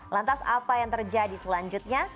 lantas apa yang terjadi selanjutnya